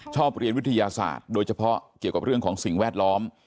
ชอบเรียนวิทยาศาสตร์โดยเฉพาะเกี่ยวกับเรื่องของสิ่งแวดล้อม